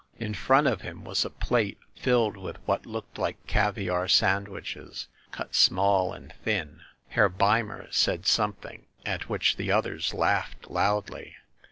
In front of him was a plate filled with what looked like caviar sandwiches, cut small and thin. Herr Beimer said something, at which the others laughed loudly.